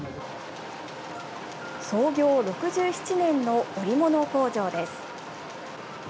創業６７年の織物工場です。